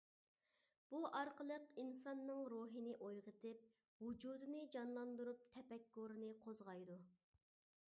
بۇ ئارقىلىق ئىنساننىڭ روھىنى ئويغىتىپ، ۋۇجۇدىنى جانلاندۇرۇپ، تەپەككۇرىنى قوزغايدۇ.